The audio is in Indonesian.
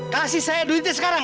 kasih saya duitnya sekarang